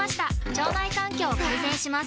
腸内環境を改善します